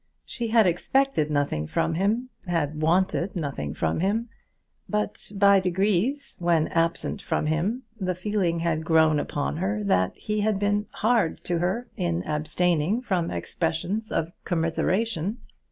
She had expected nothing from him, had wanted nothing from him; but by degrees, when absent from him, the feeling had grown upon her that he had been hard to her in abstaining from expressions of commiseration.